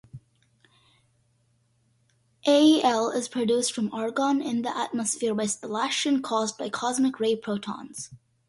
Al is produced from argon in the atmosphere by spallation caused by cosmic-ray protons.